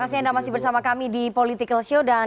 harusnya udah gak bisa lagi diterima di masyarakat